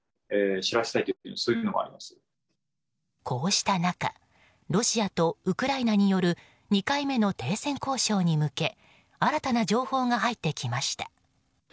こうした中ロシアとウクライナによる２回目の停戦交渉に向け新たな情報が入ってきました。